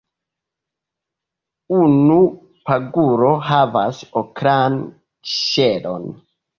Unu paguro havas okran ŝelon.